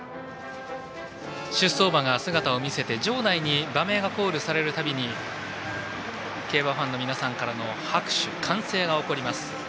出走馬が姿を見せて場内に馬名がコールされるたびに競馬ファンの皆さんからの拍手、歓声が起こります。